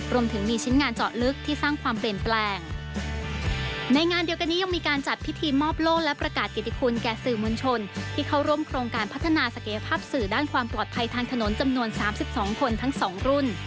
รวมถึงมีชิ้นงานเจาะลึกที่สร้างความเปลี่ยนแปลงในงานเดียวกันนี้ยังมีการจัดพิธีมอบโล่และประกาศเกียรติคุณแก่สื่อมวลชนที่เข้าร่วมโครงการพัฒนาศักยภาพสื่อด้านความปลอดภัยทางถนนจำนวนสามสิบสองคนทั้งสองรุ่น